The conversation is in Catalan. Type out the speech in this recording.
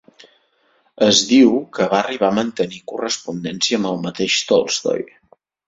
Es diu que va arribar a mantenir correspondència amb el mateix Tolstoi.